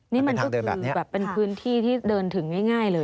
นี่มันก็คือแบบเป็นพื้นที่ที่เดินถึงง่ายเลย